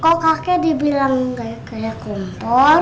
kok kakek dibilang kayak kompor